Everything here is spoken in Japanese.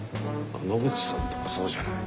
野口さんとかそうじゃない。